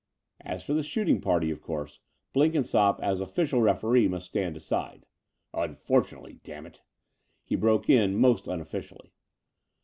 As for the shooting party, of course, Blenkin sqpp, as o£Scial referee, must stand aside " Unfortimately, damn it," he broke in most unofficially.